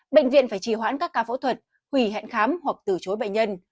bệnh viện phải trì hoãn các ca phẫu thuật hủy hẹn khám hoặc từ chối bệnh nhân